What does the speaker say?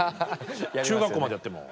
中学校までやっても。